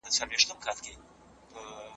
مطالعه انسان له رواني پلوه اراموي.